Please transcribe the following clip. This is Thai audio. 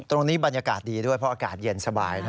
ตรงนี้บรรยากาศดีด้วยเพราะอากาศเย็นสบาย